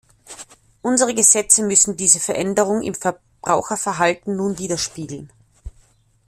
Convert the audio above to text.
Unsere Gesetze müssen diese Veränderung im Verbraucherverhalten nun widerspiegeln.